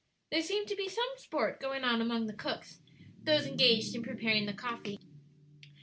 There seemed to be some sport going on among the cooks those engaged in preparing the coffee.